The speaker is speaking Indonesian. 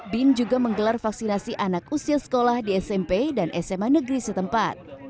bin juga menggelar vaksinasi anak usia sekolah di smp dan sma negeri setempat